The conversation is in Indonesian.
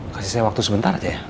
kasih saya waktu sebentar aja ya